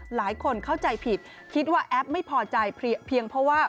หลายคนเข้าใจผิดคิดว่าแอปไม่พอใจเพียงเพราะว่า